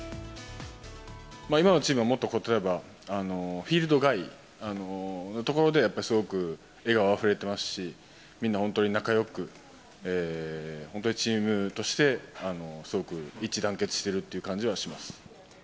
今のチームはもっと例えば、フィールド外の所でやっぱりすごく笑顔あふれてますし、みんな本当に仲よく、本当にチームとしてすごく一致団結してるっていう感じはします。